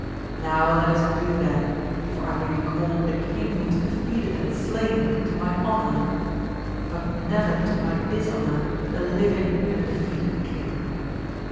Now let us do then, for I may be called the king who was de feated and slain to my honour, but never to my dis honour, the living and defeated king.